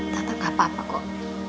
tante gak apa apa kok